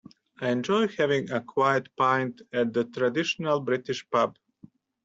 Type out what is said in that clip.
I enjoy having a quiet pint at a traditional British pub